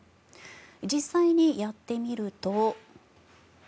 実際にやってみると。